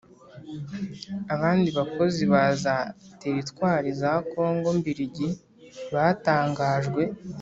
abandi bakozi ba za teritwari za Kongo mbirigi batangajwe